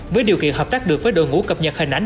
với điều kiện hợp tác được với đội ngũ cập nhật hình ảnh